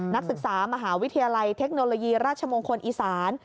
นักศึกษามหาวิทยาลัยเทคโนโลยีราชมงคลอีสาน